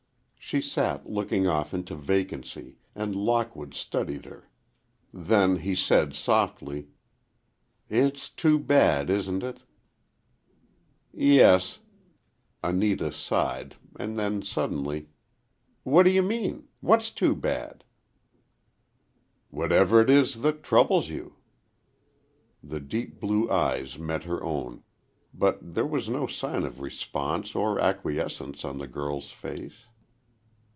She sat, looking off into vacancy, and Lockwood studied her. Then he said, softly: "It's too bad, isn't it?" "Yes," Anita sighed, and then suddenly; "what do you mean? What's too bad?" "Whatever it is that troubles you." The deep blue eyes met her own, but there was no sign of response or acquiescence on the girl's face.